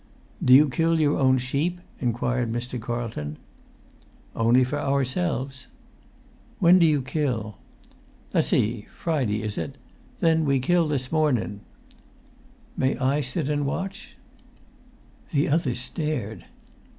"Do you kill your own sheep?" inquired Mr. Carlton. "Only for ourselves." "When do you kill?" "Let's see. Friday, is it? Then we kill this mornin'." "May I wait and watch?" The other stared.